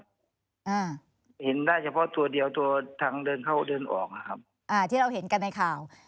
อ่าเห็นได้เฉพาะตัวเดียวตัวทางเดินเข้าเดินออกนะครับอ่าที่เราเห็นกันในข่าว